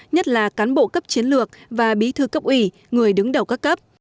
nhất là cán bộ cấp chiến lược và bí thư cấp ủy người đứng đầu các cấp